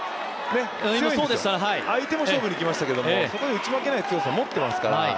相手も勝負にきましたけどもそこで、打ち負けない強さを持っていますから。